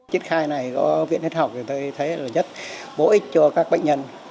chiếc khai này có viện hết học thì tôi thấy rất bổ ích cho các bệnh nhân